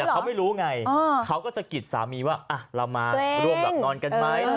แต่เขาไม่รู้ไงเขาก็สะกิดสามีว่าเรามาร่วมแบบนอนกันไหม